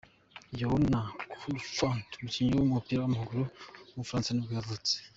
Yoann Gourcuff, umukinnyi w’umupira w’amaguru w’umufaransa nibwo yavutse.